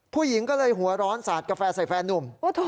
ผู้หญิงก็เลยหัวร้อนสาดกาแฟใส่แฟนนุ่ม